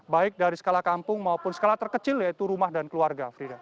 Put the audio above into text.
baik dari skala kampung maupun skala terkecil yaitu rumah dan keluarga